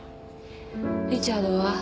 リチャードは？